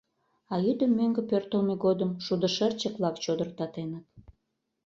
А йӱдым мӧҥгӧ пӧртылмӧ годым шудышырчык-влак чодыртатеныт.